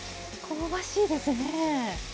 香ばしいですね。